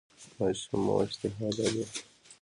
ماشوم مو اشتها لري؟